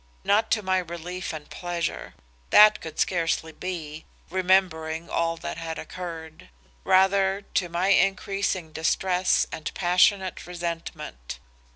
Not to my relief and pleasure. That could scarcely be, remembering all that had occurred; rather to my increasing distress and passionate resentment.